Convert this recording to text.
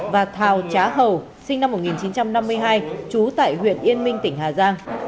và thào trá hầu sinh năm một nghìn chín trăm năm mươi hai trú tại huyện yên minh tỉnh hà giang